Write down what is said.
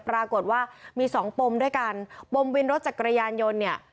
ปรากฏว่ามีสองปมด้วยกันปมวินรถจักรยานยนต์เนี่ย